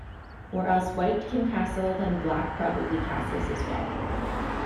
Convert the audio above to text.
Or else White can castle, then Black probably castles as well.